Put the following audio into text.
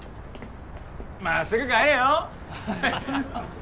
真っ直ぐ帰れよ。